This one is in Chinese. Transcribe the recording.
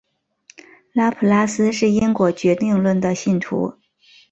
拉普拉斯是因果决定论的信徒。